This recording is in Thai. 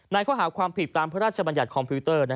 ข้อหาความผิดตามพระราชบัญญัติคอมพิวเตอร์